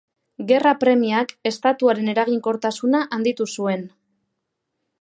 Gerra-premiak estatuaren eraginkortasuna handitu zuen.